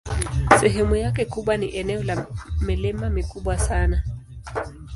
Sehemu yake kubwa ni eneo la milima mikubwa sana.